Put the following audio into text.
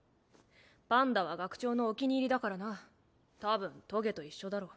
パンダは学長のお気に入りだからなたぶん棘と一緒だろ。